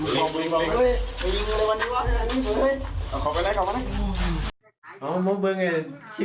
ย้ำระเบิดม้าคุณค่ะยังยินเตอร์อยู่